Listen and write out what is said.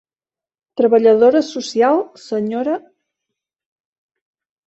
Treballadora social Sra.